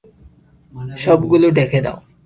সবগুলো ঢেকে দাও!